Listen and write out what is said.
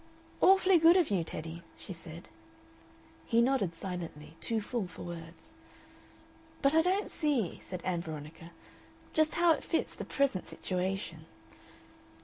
"Awfully good of you, Teddy." she said. He nodded silently, too full for words. "But I don't see," said Ann Veronica, "just how it fits the present situation."